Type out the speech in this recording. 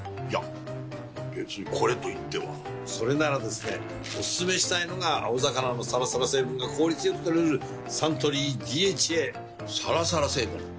いや別にこれといってはそれならですねおすすめしたいのが青魚のサラサラ成分が効率良く摂れるサントリー「ＤＨＡ」サラサラ成分？